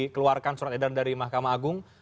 atau dikeluarkan surat edaran dari mahkamah agung